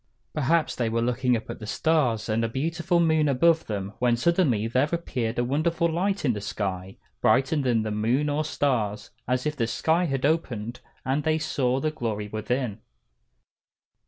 Perhaps they were looking up at the stars and the beautiful moon above them, when suddenly there appeared a wonderful light in the sky, brighter than the moon or stars, as if the sky had opened and they saw the glory within.